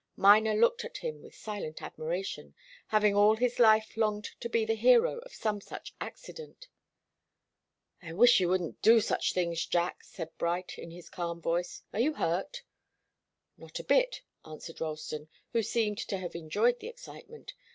Miner looked at him with silent admiration, having all his life longed to be the hero of some such accident. "I wish you wouldn't do such things, Jack," said Bright, in his calm voice. "Are you hurt?" "Not a bit," answered Ralston, who seemed to have enjoyed the excitement.